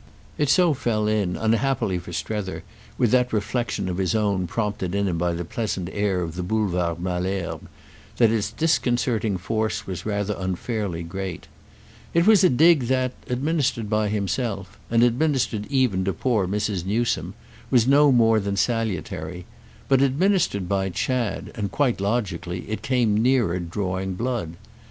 It so fell in, unhappily for Strether, with that reflexion of his own prompted in him by the pleasant air of the Boulevard Malesherbes, that its disconcerting force was rather unfairly great. It was a dig that, administered by himself—and administered even to poor Mrs. Newsome—was no more than salutary; but administered by Chad—and quite logically—it came nearer drawing blood.